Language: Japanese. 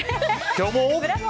今日も。